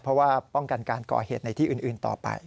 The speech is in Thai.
เพราะว่าป้องกันการก่อเหตุในที่อื่นต่อไป